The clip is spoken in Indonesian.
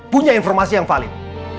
punya informasi yang valid